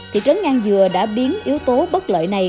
thị trấn ngang dừa đã biến yếu tố bất lợi này